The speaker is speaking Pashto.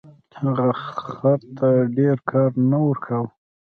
هغه خر ته ډیر کار نه ورکاوه.